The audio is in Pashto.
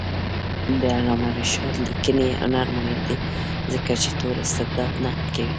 د علامه رشاد لیکنی هنر مهم دی ځکه چې تور استبداد نقد کوي.